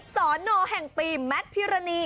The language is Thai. สอนอแห่งปีแมทพิรณี